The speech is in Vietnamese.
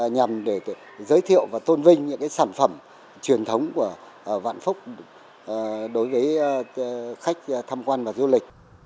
nhằm để giới thiệu và tôn vinh những sản phẩm truyền thống của vạn phúc đối với khách tham quan và du lịch